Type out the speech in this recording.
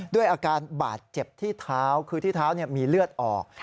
ด้วยอาการบาดเจ็บที่เท้าคือที่เท้ามีเลือดออก